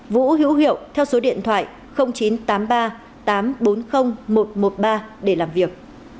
vũ hữu hiệu theo số điện thoại chín trăm tám mươi ba tám trăm bốn mươi một trăm một mươi ba để làm việc